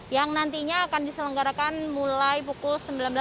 yang nantinya akan diselenggarakan mulai pukul sembilan belas